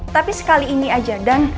tapi sekali ini aja dan